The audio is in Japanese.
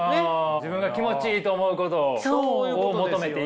自分が気持ちいいと思うことを求めていいと。